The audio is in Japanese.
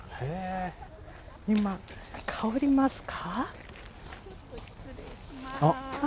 今、香りますか？